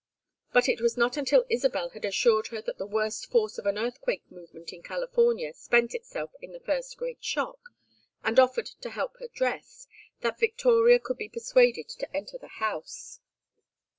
But it was not until Isabel had assured her that the worst force of an earth movement in California spent itself in the first great shock, and offered to help her dress, that Victoria could be persuaded to enter the house.